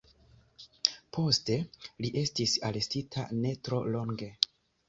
Poste li estis arestita ne tro longe.